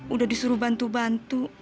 udah disuruh bantu bantu